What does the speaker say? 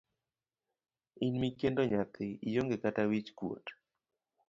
In mikendo nyathi, ionge kata wich kuot?